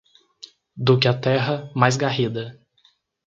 Do que a terra, mais garrida